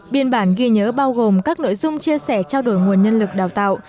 biên bản ghi nhớ bao gồm các nội dung chia sẻ trao đổi nguồn nhân lực đào tạo